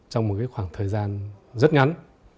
trong một khoảng thời gian rất ngắn